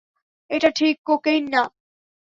এটা ঠিক কোকেইন না।